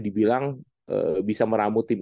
dibilang bisa meramu tim